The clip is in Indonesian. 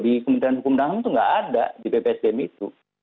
di kementerian hukum dan ham itu nggak ada di bpsdm itu